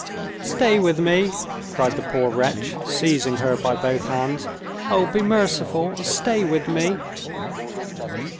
"Stay with me!" cried the poor wretch, seizing her by both hands. "Oh, be merciful, and stay with me!"